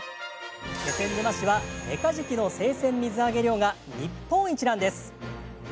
気仙沼市はメカジキの生鮮水揚げ量が日本一なんです。